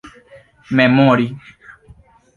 memori